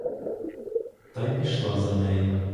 Та й пішла за нею.